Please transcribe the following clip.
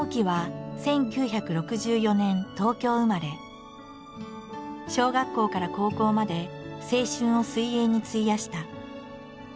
玉置は小学校から高校まで青春を水泳に費やした。